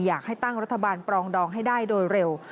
อยากให้ตั้งรัฐบาลปรองดองให้ได้โดยเร็ว